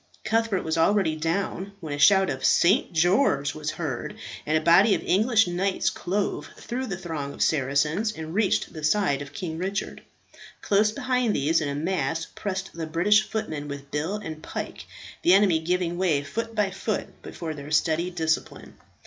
Cuthbert was already down, when a shout of "St. George!" was heard, and a body of English knights clove through the throng of Saracens and reached the side of King Richard. Close behind these in a mass pressed the British footmen with bill and pike, the enemy giving way foot by foot before their steady discipline.